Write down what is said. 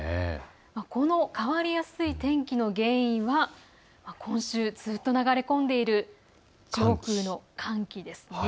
この変わりやすい天気の原因は今週、ずっと流れ込んでいる上空の寒気です。